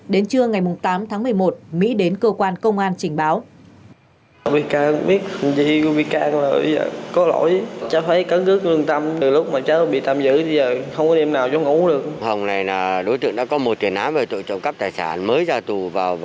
đến trưa ngày tám tháng một mươi một mỹ đến cơ quan công an trình báo